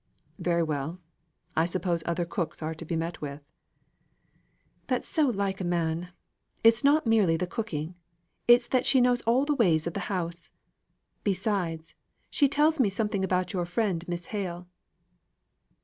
"Very well. I suppose other cooks are to be met with." "That's so like a man. It's not merely the cooking, it is that she knows all the ways of the house. Besides, she tells me something about your friend Miss Hale."